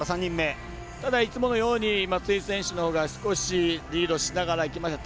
ただ、いつものように松井選手のほうが少しリードしながらいきました。